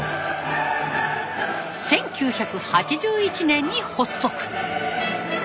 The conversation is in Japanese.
１９８１年に発足。